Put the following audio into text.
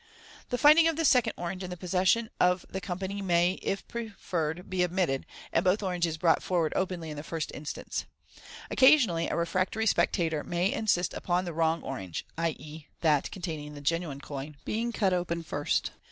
The finding of the second orange in the possession of fhe com pany may, if preferred, be omitted, and both oranges be brought for ward openly in the first instance. Occasionally a refractory spectator may insist upon the wrong or* nge (i.e., that containing the genuine coin) being cut open first.